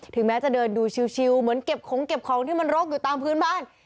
ถึงแม้จะยืนดูชิวเหมือนเก็บของที่มันโรคอยู่ตามผืนบ้าน